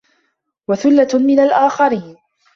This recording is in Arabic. وَثُلَّةٌ مِنَ الآخِرينَ